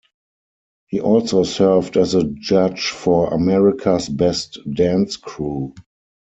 He also served as a judge for "America's Best Dance Crew".